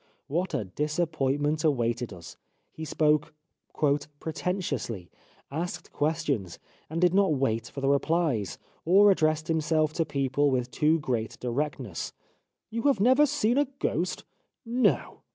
What a disappoint ment awaited us. He spoke ' pretentiously,' asked questions, and did not wait for the rephes, or addressed himself to people with too great directness ;* You have never seen a ghost ? No